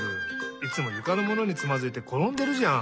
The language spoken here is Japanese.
いつもゆかのものにつまずいてころんでるじゃん！